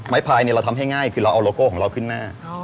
พายเราทำให้ง่ายคือเราเอาโลโก้ของเราขึ้นหน้า